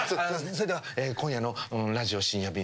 それでは今夜の「ラジオ深夜便」